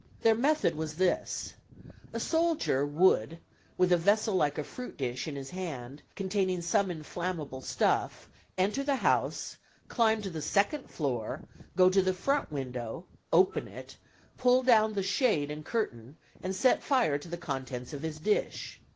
Their method was this: A soldier would, with a vessel like a fruit dish in his hand, containing some inflammable stuff, enter the house, climb to the second floor, go to the front window, open it, pull down the shade and curtain, and set fire to the contents of his dish.